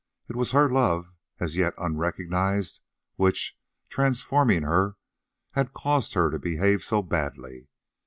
It was her love, as yet unrecognised, which, transforming her, had caused her to behave so badly.